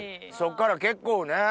そっから結構ね。